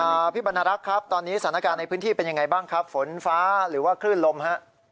พี่บรรณรักษ์ครับตอนนี้สถานการณ์ในพื้นที่เป็นยังไงบ้างครับฝนฟ้าหรือว่าคลื่นลมฮะ